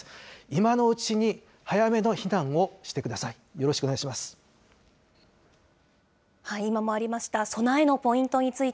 今のうちに早めの避難をしてください。